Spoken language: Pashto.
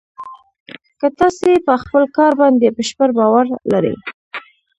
که تاسې په خپل کار باندې بشپړ باور لرئ